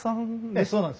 ええそうなんです。